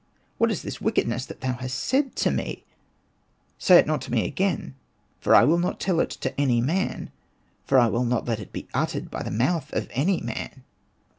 What is this wickedness that thou hast said to me ? Say it not to me again. For I will not tell it to any man, for I will not let it be uttered by the mouth of any man."